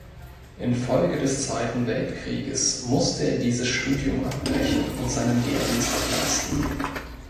Infolge des Zweiten Weltkrieges musste er dieses Studium abbrechen und seinen Wehrdienst ableisten.